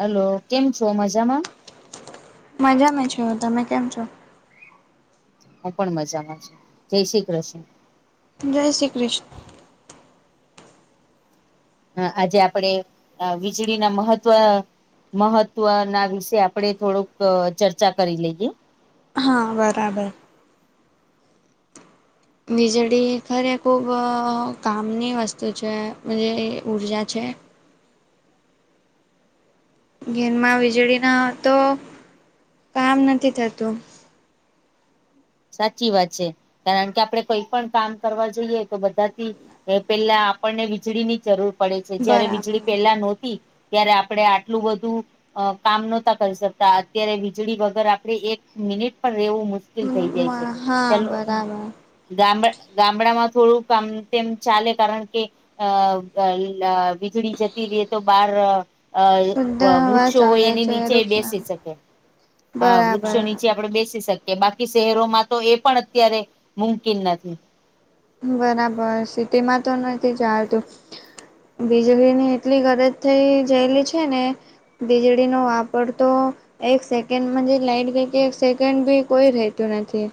Hello કેમ છો મજામાં મજામાં છું તમે કેમ છો હું પણ મજામાં છું જય શ્રી કૃષ્ણ જય શ્રી કૃષ્ણ હ આજે આપડે વીજળીના મહત્વ મહત્વના વિશે આપડે થોડુંક ચર્ચા કરી લઈએ હા બરાબર વીજળી ખરે ખૂબ કામની વસ્તુ છે અને એ ઊર્જા છે. ઘેરમાં વીજળીના તો કામ નથી થતું સાચી વાત છે કારણ કે આપડે કઈ પણ કામ કરવા જઈએ તો બધાથી પેલા આપણને વીજળીની જરૂર પડે છે જયારે બરાબર વીજળી પેલા નોતી ત્યારે આપડે આટલું બધું અ કામ નહોતા કરી શકતા અત્યારે વીજળી વગર આપડે એક મિનિટ પણ રેવું મુસ્ક કેલ થઈ જાય છે હા ચલો બરાબર ગામડામાં થોડું આમ તેમ ચાલે કારણ કે અ વીજળી જતી રે તો બાર અ શુદ્ધ હવા વૃક્ષો હોય ચાલે એની છે નીચે ય વૃક્ષ બેસી શકે હા બરાબર વૃક્ષો નીચે આપડે બેસી શકીએ બાકી શહેરોમાં તો એ પણ અત્યારે મુમકીન નથી બરાબર સીટીમાં તો નથી ચાલતું વીજળીની એટલી ગરજ થઇ જેયલી છે ને વીજળીનો આ પડધો એક સેકન્ડમાં જે લાઈટ ગઈ કે એક સેકન્ડ બી કોઈ રેતુ નથી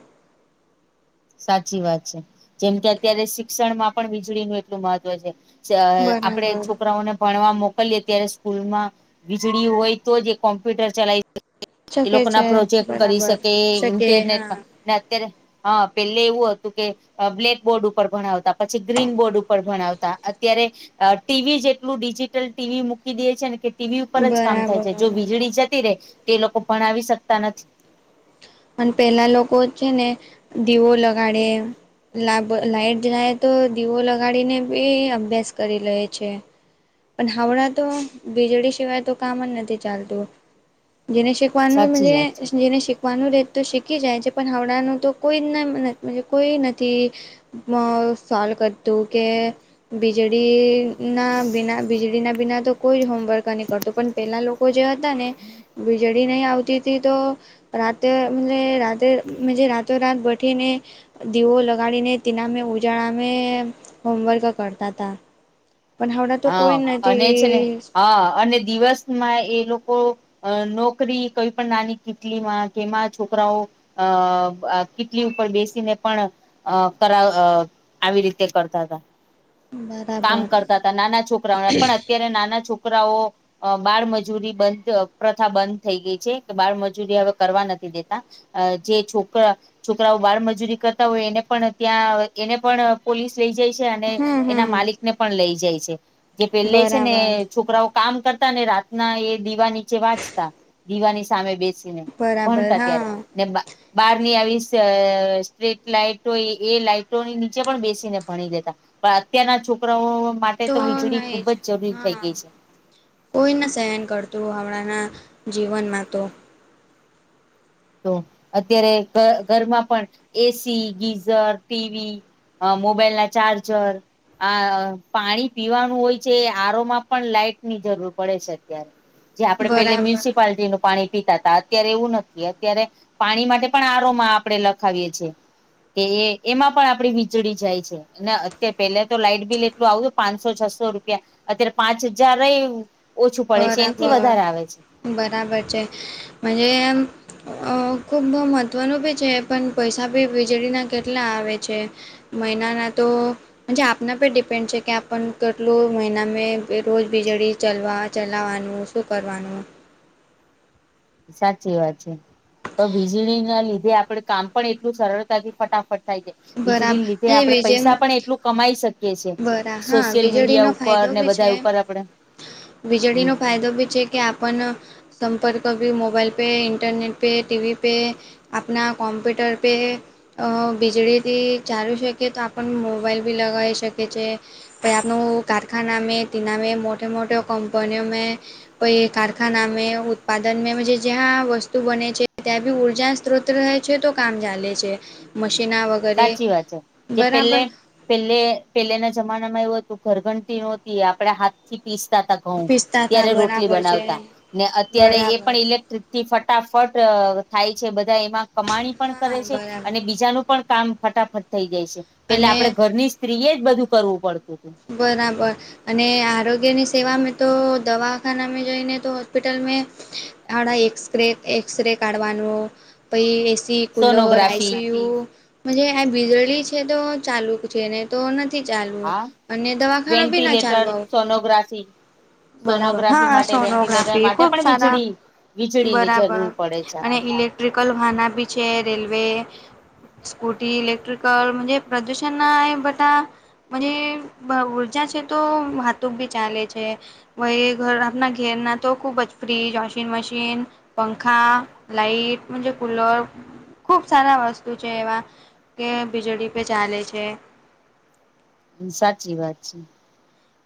સાચી વાત છે જેમ કે અત્યારે શિક્ષણમાં પણ વીજળીનું એટલું મહત્વ છે. આપડે બરાબર છોકરાઓને ભણવા મોક લીયે ત્યારે સ્કૂલમાં વીજળી હોય તો જ એ કોમ્પ્યુટર ચલાય [unintelligible] એ શકે લોકોના છે પ્રોજેક્ટ કરી બરાબર શકે શકે હા. ઇન્ટરનેટમાં ને અત્યારે હા પેલે એવું હતું કે બ્લેકબોર્ડ ઉપર ભણાવતા પછી ગ્રીન બોર્ડ ઉપર ભણાવતા અત્યારે ટીવી જેટલું ડિજીિટલ ટીવી મૂકી દે છે ને કે ટીવી ઉપર જ કામ થાય બરાબર છે જો વીજળી જતી રહેે તો એ લોકો ભણાવી શકતા નથી. અને પેલા લોકો છે ને દીવો લગાડે લાભ લાઈટ જાય તો દીવો લગાડીને બી અભ્યાસ કરી લે છે. પણ હાવણા તો વીજળી સિવાય તો કામ જ નથી ચાલતું જેને સી શીખવાનું સાચી વાત જે શિકવાનું રે તો શીખી જાય છે પણ હાવણાંનું તો કોઈ ના કોઈ નથી. મા સોલ કરતું કે વીજળી ના બિના વીજળીના બિના તો કોઈ જ હોમવર્ક નઈ કરતું પણ પહેલાં લોકો જે હતા ને વીજળી નઇ આવતી તો રાતે ને રાતેે જ મુજે રાતો રાત બઠીને દીવો લગાડીને તેમાં ઉજાડીને હોમવર્ક કરતાં તા હા અને છે ને હા અને દિવસ માં એ લોકો નોકરી કઈ પણ નાની કેટલી માં કેમાં છોકરાઓ અ કેટલી ઉપર બેસીને પણ અ કરાવ આવી રીતે કરતા તા. કામ બરાબર કરતા હતા નાના છોકરાઓને પણ અત્યારે નાના છોકરાઓ અ બાળમજૂરી બંધ પ્રથા બંધ થઈ ગઈ છે કે બાળમજૂરી હવે કરવા નથી દેતા. અ જે છોકરા છોકરાઓ બાળ મજૂરી કરતા હોય એને પણ ત્યાં એને પણ પોલીસ લઈ જઈ છે અને હમ હમ ને પણ લઈ જાય છે જે પેલે છે ને બરાબર છોકરાઓ કામ કરતા ને રાતના એ દીવા નીચે વાંચતા દીવાની સામે બેસ સિને બરાબર ભણતા હા ત્યારે ને બહારની આવી અ સ્ટ્રીટ લાઈટો એ લાઈટોની નીચે પણ બેસીને ભણી લેતા. પણ અત્યારના છોકરાઓ માટે તો વીજળી ખુબ જ જરૂરી થઈ ગઈ છે. કોઈને સહેન કરતું હમણાંનાં જીવનમાં તો. તો અત્યારે ઘરમાં પણ એસી ગીઝર ટીવી અ મોબાઈલ ના ચાર્જર આ પાણી પીવાનું હોય છે આરોમાં પણ લાઈટની જરૂર પડે છે અત્યારે. જે આપડે પેલે બરાબર મ્યુનિસિપાલટી નું પાણી પીતા હતા અત્યારે એવું નથી. ત્યારે પાણી માટે પણ આરોમાં આપણે લખાવીએ છીએ. કે એ એમાં પણ આપડી વીજળી જાય છે. ના અત્યારે પેલા તો લાઈટ બિલ એટલું આવતું પાંચસો છસો રૂપિયા અત્યારે પાંચ હજાર રહી ઓછું પડે છે એનાથી બરાબર વધારે આવે છે. બરાબર છે મને એમ. અ ખુબ મહત્વનું ભી છે પણ પૈસા ભી વીજળીના કેટલા આવે છે. મહિનાના તો મુજે આપના પર ડિપેન્ડ છે કે આપણ કેટલું મહિના મે રોજ વીજળી ચલવા ચલાવવાનું શું કરવાનું. સાચી વાત છે તો વીજળી ના લીધે આપડે કામ પણ એટલું સરળતાથી ફટાફટ થાય છે બરાબર વીજળી લીધે એ આપડે વિજે પૈસા પણ એટલું કમાઈ શકીએ છીએ બરા હા સોશિયલ મીડિયા વીજળીનો ઉપર ઉપર ફાયદો ને બી બધા છે ઉપર આપડે હમ વીજળીનો ફાયદો બી છે કે આપણ સંપર્ક ભી મોબાઈલ પે ઇન્ટરનેટ પે ટીવી પે આપણા કોમ્પ્યુટર પે અ બિજળી તે ચલચે શકે તો આપણ મોબાઈલ બી લગાવી શકીએ છે. પ આપનો કારખના મે ટનામે મોટે મોટે કમપનીઓ મે પ કારખાના મે ઉત્પાદન મે મુઝે જ્યાં વસ્તુ બને છે. ત્યાં ભી ઉર્જા રહે છે તો કામ ચાલે છે મશીના વગ સાચી વાત છે. જે પેલે પેલે પેલેના જમાનામાં એવું હતું ઘરઘણતી નહોતી આપણે હાથ પીસતા ત ઘઉં પીસતા તા ત્યારે રોટલી બરાબર છે બનાવતા ને અત્યારે એ બરાબર પણ ઇલેક્ટ્રિક થી ફટાફટ થાય છે. બધા એમાં કમાણી પણ હા કરે છે બરાબર અને બીજાનું પણ કામ ફટાફટ થઈ જાય છે. એટલે અને આપડે ઘરની સ્ત્રીએ જ બધું કરવું પડતું હતું. બરાબર. અને આરોગ્યની સેવાવામાં તો દવાખાનામાં જઈને તો હોસ્પિટલ મે હણા એસરે એક્સરે કાઢવાનું. ભાઈ A C cooler I sonography C U પછે જ આ વીજળી છે તો ચાલુ છે ને તો નથી ચાલવું. હા અને દવાખાના બી ના વેન્ટિલેટર ચાલવાવ સોનોગ્રાફી બરાબર, સોનોગ્રાફી હા માટે વેન્ટિલેટર સોનોગ્રાફી માટે ખુબ પણ સારા વીજળી વીજળીની બરાબર. જરૂર પડે છે અને આપણને ઇલેક્ટ્રિકલ વાહના બી છે રેલવે સ્કૂટી ઇલેક્ટ્રિકલ મજે પ્રદૂષણ નાય બટા મજે ઊર્જા છે તો વાાતુક ભી ચાલે છે. વ એ ઘરના ઘેરના તો ખૂબ જ ફ્રીજ, વોશિંગ મશીન. પંખા લાઈટ મજે કુલર. ખુબ સારા વસ્તુ છે એવા કે વીજળી પે ચાલે છે. સાચી વાત છે.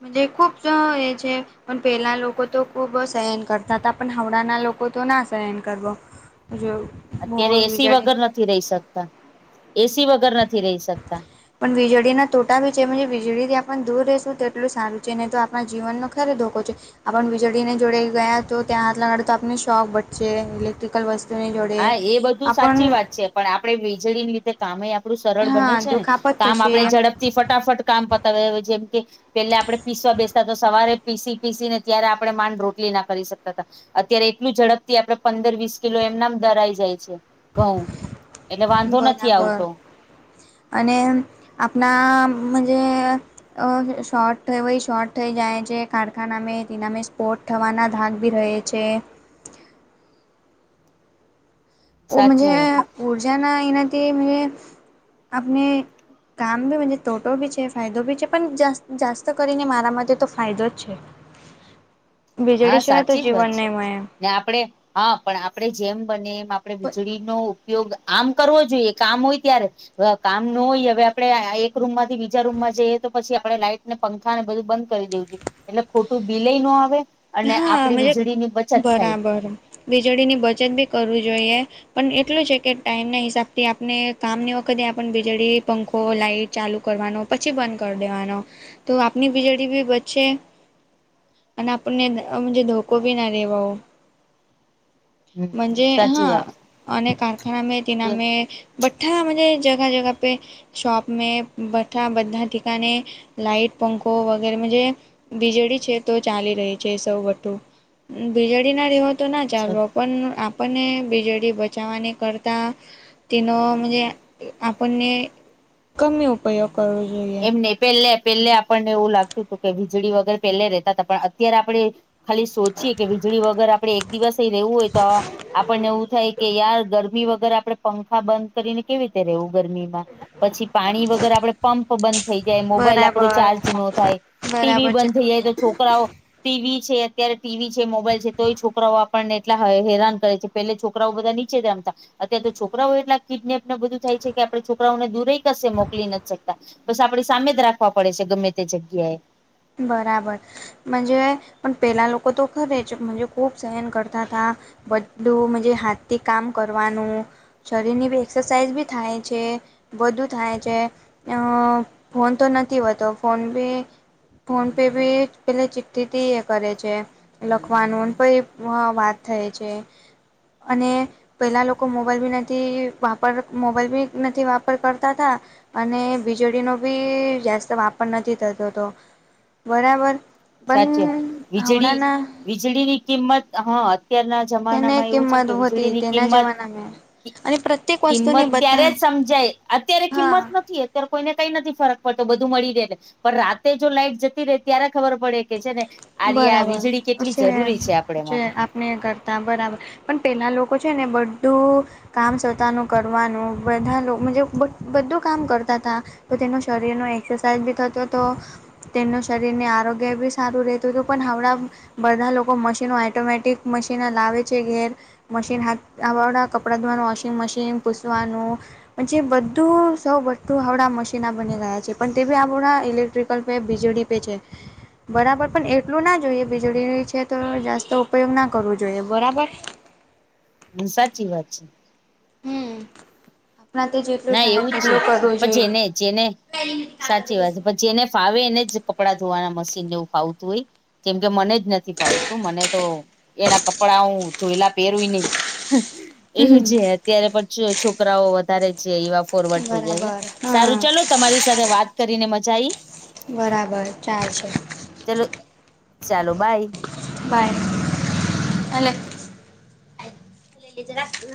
મજ ખૂબ અને છે. પણ પહેલા લોકો તો ખુબ સહન કરતા હતા. પણ હાવડાના લોકો તો ના સહન કરબો. જો. બહુ અત્યારે એ સી વીજળી વગર નથી રહી સકતા. એ સી વગર નથી રહી સકતા પણ વીજળી ના તોટા ભી છે મજે વીજળી થી આપણ દૂર રહેશું તેટલું સારું છે નહી તો આપણા જીવનનો ખરે ધોકો છે. આપણ વીજળી ને જોડે ગયા તો ત્યાં હાથ લાગાડે તો આપને શોખ બટશે ઇલેક્ટ્રિક એકલ વસ્તુની જોડે હા એ બધું આપણ સાચી વાત છે પણ આપડે વીજળીની રીતે કામ આપડું સરળ બને હા છે ને દુખાપત કામ થશે આપડે ઝડપ થી ફટાફટ કામ પતાવે જેમ કે પેલે આપણે પીસવા બેસતા તો સવારે પીસી પીસી ને ત્યારે આપણે માંડ રોટલી ના કરી શકતા હતા. અત્યારે એટલું ઝડપથી આપડે પંદર વીસ કિલો એમનેઆમ દરાઈ જાય છે. ઘઉં એટલે વાંધો નથી બરાબર. આવતો અને આપના મજે અ શોર્ટ હોય શર્ટ થઈ જાય છે. કારખાનામે દિનામે સ્પોર્ટ ઠવાના ધાગ ભી રહે છે. ઓ સાચી મજે વાત ઉર્જના એનાથી મજે આપને કામ બી તોટો બી છે. ફાયદો બી છે પણ જાસ્તૌ કરીને મારા માટે તો ફાયદો જ છે. [inaudible] વીજળી સિવાય તો સાચી જ વાત જીવન છે નહી મયે. ને આપણે હા પણ આપણેે જેમ બને એમ આપણે વીજળીનો ઉપ. ઉપયોગ આમ કરવો જોઈએ. કામ હોય ત્યારે જ કામ ન હોય હવે આપણે એક રૂમમાંથી બીજા રૂમમાં જઈએ તો પછી આપડે લાઈટ ને પંખા ને બધું બંધ કરી દેવું જોઈએ એટલે ખોટું બિલયે નો આવે. અને હા, આપડી મજે વીજળીની બચત થાય બરાબર વીજળીની બચત બી કરવી જોઈએ. પણ એટલું છે કે ટાઈમ ના હિસાબથી આપણે કામની વખતે આપણને વીજળી પંખો લાાઈટ ચાલુ કરવાનો પછી બંધ કરી દેવાનો તો આપની વીજળી બી બચે અને આપણને મજે ધોકો બી ના હમ [unintelligible] મજે સાચી હા વાત અને કારખાના મેય તેનામે બ્ઠામાં મજે જગાહ-જગાહ પે... શોપ મે બઠ્ઠા બધા ઠિકાને લાઇટ પંખો વગેરે મે જોયા. બીજેળી છે તો ચાલી રહી. જે સૌ વઠું વીજળીના રેહો તો ના ચાલવ તો પણ આપણને વીજળી બચાવવાને કરતા તેનો મજે આપણને કમ ઉપયોગ કરવો જોઈએ. એમને પેલે પેલે આપણને એવું લાગતું હતું કે વીજળી વગર પેલે રેહતા હતા પણ અત્યારે આપણે ખાલી સોચીએ કે વીજળી વગર આપણે એક દિવસેય રહેેવું હોય તો આપણને એવું થાય. કે યાર ગરમી વગર આપડે પંખા બંધ કરીને કેવી રીતે રહેવું ગરમીમાં પછી પાણી વગર આપડે પંપ બંધ થઈ જાય મોબાઈલ આપડો બરાબર ચાર્જ નો થાય ટીવી બરાબર છે બંધ થઈ તમારી જાય વાત તો છોકરાઓ ટીવી છે. અત્યારે ટીવી છે, મોબાઈલ છે તોય છોકરાઓ આપણને એટલા હેરાન કરે છે. પેલે છોકરાઓ બધા નીચે જ રમતા અત્યારે તો છોકરાઓ એટલા કિડનેપને બધું થાય છે કે આપડે છોકરાઓને દૂરએ કશે મોકલી નથી શકતા. બસ આપડી સામે જ રાખવા પડે છે ગમે તે જગ્યાએ. બરાબર મજે પણ પેલા લોકો તો ઘરે જ ખૂબ સહન કરતા હતા. બધુ મજે હાથથી કામ કરવાનું. શરીરની બી એક્સરસાાઈઝ બી થાય છે. વધુ થાય છે. ફોન તો નથી હોતો ફોન બી ફોન પે બી પેલે ચિત્ઠથી કરે છે. લખવાનું ને પછી વાત થાય છે અને પેલા લોકો મોબાઈલ બી નથી મોબાઈલ બી નથી વાપર કરતા હતા. અને વીજળીનો બી ગેસનો વાપર નથી થતો હતો. બરાબર સાચે પણ હમણાના વીજળી ની કિંમત હા અત્યારના તેને જમાનામાં એવું છે ને કિંમત કે હોતી વીજળીની તેના કિંમત જમાનામાં અને પ્રત્યેક કિંમત વસ્તુની ત્યારે બધા જ સમજાય. અત્યારે હા કિંમત નથી? અત્યારે કોઈને કંઈ નથી ફરક પડતો બધું મળી રહે એટલે પણ રાતે જો લાઈટ જતી રહે ત્યારે ખબર પડે કે છે ને સારી આ બરાબર વીજળી કેટલી જરૂરી છે આપડા માટે નય કરતા બરાબર પણ પહેલાં લોકો છે ને બધું કામ સધાનું કરવાનું લોકોજ બધું કામ કરતા હતા. તો તેનો શરીરની એક્સરસાાઈઝ બી થતો તો તેનું શરીરને આરોગ્ય બી સારું રહેતુ. હતુ. તો પણ હણાં બધા લોકો મશીનો ઓટોમેટિક મશીન લાવે છે ઘેર મશીન હાથવાળા કપડા ધોવાનું વોશિંગ મશીન પૂસવાનું પણ જે બધું સૌ બું આવડા મશીના બની ગયા છે પણ તે આપણા ઇલેક્ટ્રિકલ વીજળી એ બી છે બરાબર! પણ એટલું ના જોઈએ. વીજળી ની છે, તો જાસ્તો ઉપયોગ ના કરવો જોઈએ. બરાબર? હમ્મ. સાચી વાત છે. હમ્મ. પણ આ તો જેટલું ના થાય એવું જ છે એટલું [inaudible] કરવું પણ જોઈએ. જેને સાચી વાત છે પછી જેને ફાવે એને જ કપડાં ધોવાના મશીન ને એવું ફાવતું હોય. કેમ કે મને જ નથી ફાવતું. મને તો એના કપડા હું ધોયેલા પહેરું નહીં. એવું હમ છે. અત્યારે પછ છોકરાઓ વધારે છે, એવા ફોરવર્ડ થઈ ગયા છે. બરાબર સારું હા ચલો તમારી સાથે વાત કરીને મજા આવી. બરાબર ચાલશે. ચલો, ચાલો બાય. બાય. [inaudible]